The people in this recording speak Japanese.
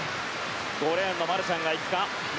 ５レーン、マルシャンが行くか。